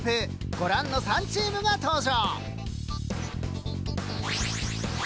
ご覧の３チームが登場。